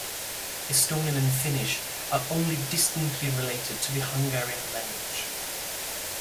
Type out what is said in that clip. Estonian and Finnish are only distantly related to the Hungarian language.